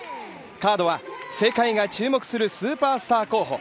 カードは、世界が注目するスーパースター候補